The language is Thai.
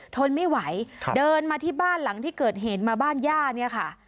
ทนไม่ไหวเดินมาที่บ้านหลังที่เกิดเหตุมาบ้านย่าเนี่ยค่ะ